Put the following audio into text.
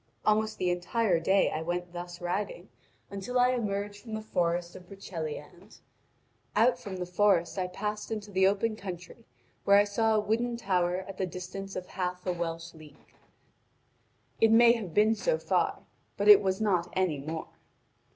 Almost the entire day I went thus riding until I emerged from the forest of Broceliande. Out from the forest I passed into the open country where I saw a wooden tower at the distance of half a Welsh league: it may have been so far, but it was not anymore.